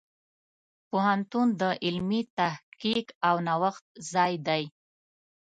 پوهنتون د علمي تحقیق او نوښت ځای دی.